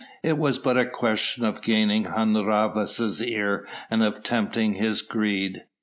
It was but a question of gaining Hun Rhavas' ear and of tempting his greed.